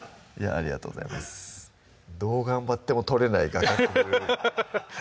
ありがとうございますどう頑張っても撮れない画角でしたね